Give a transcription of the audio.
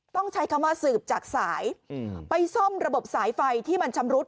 ต้องใช้คำว่าสืบจากสายไปซ่อมระบบสายไฟที่มันชำรุด